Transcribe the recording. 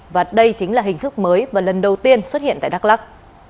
và đây chính là hình thức mới và lần đầu tiên xuất hiện tại đắk lắc